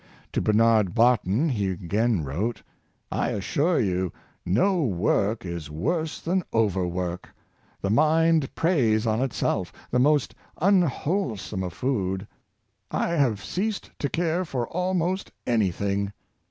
To Bernard Barton he again wrote: " I assure you, no work is worse than overwork; the mind preys on itself — the most unwhole some of food. I have ceased to care for almost any thing.